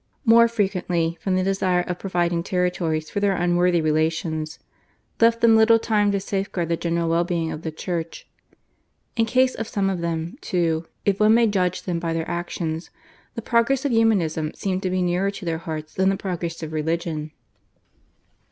more frequently from a desire of providing territories for their unworthy relations, left them little time to safeguard the general well being of the Church. In case of some of them, too, if one may judge them by their actions, the progress of Humanism seemed to be nearer to their hearts than the progress of religion.